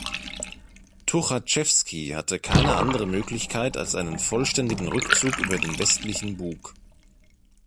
Tuchatschewski hatte keine andere Möglichkeit als einen vollständigen Rückzug über den Westlichen Bug.